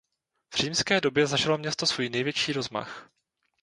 V římské době zažilo město svůj největší rozmach.